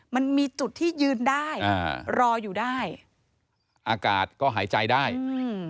มันมีจุดที่ยืนได้อ่ารออยู่ได้อากาศก็หายใจได้อืม